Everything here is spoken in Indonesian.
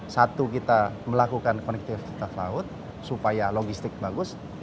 satu kita melakukan konektivitas laut supaya logistik bagus